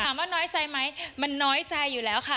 น้อยใจไหมมันน้อยใจอยู่แล้วค่ะ